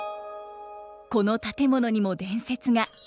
この建物にも伝説が。